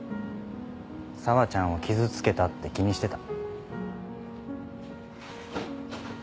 紗和ちゃんを傷つけたって気にしてた。